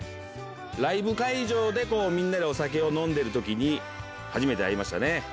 ライブ会場で、みんなでお酒を飲んでるときに初めて会いましたね。